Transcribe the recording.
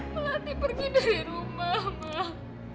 melati pergi dari rumah mah